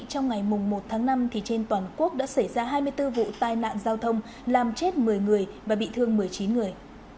trong ngày một tháng năm trên toàn quốc đã xảy ra hai mươi bốn vụ tai nạn giao thông làm chết một mươi người và bị thương một mươi chín người